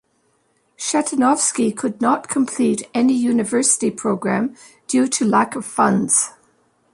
Shatunovsky could not complete any university program due to lack of funds.